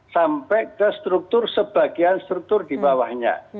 sampai ke struktur sebagian struktur di bawahnya